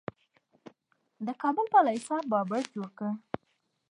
د کابل بالا حصار د بابر جوړ کړ